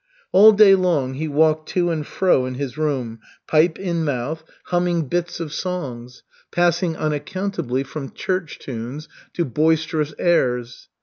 All day long he walked to and fro in his room, pipe in mouth, humming bits of songs, passing unaccountably from church tunes to boisterous airs.